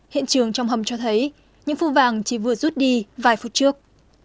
hiện trường trong hầm cho thấy những phu vàng chỉ vừa rút đi vài phút trước